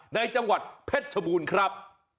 ในจังหวัดเพชรชบูรณ์ครับ